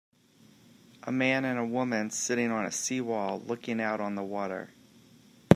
A man and a woman sitting on a sea wall looking out on the water.